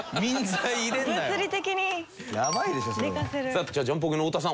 さあジャンポケの太田さん